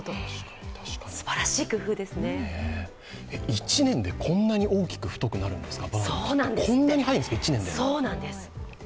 １年でこんなに大きく太くなるんですか？